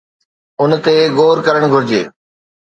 ان تي غور ڪرڻ گهرجي.